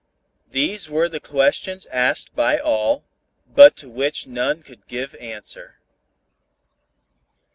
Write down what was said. These were the questions asked by all, but to which none could give answer.